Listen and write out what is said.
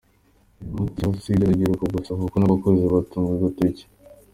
Uyu munsi, iki kibazo si icy’urubyiruko gusa kuko n’akuze batungwa agatoki.